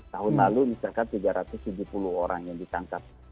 tahun lalu misalkan tiga ratus tujuh puluh orang yang ditangkap